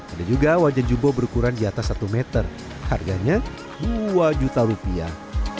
ada juga wajan jumbo berukuran di atas satu meter harganya dua juta rupiah